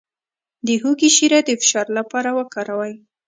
د هوږې شیره د فشار لپاره وکاروئ